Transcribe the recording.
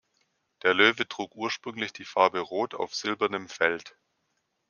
Der Löwe trug ursprünglich die Farbe Rot auf silbernem Feld.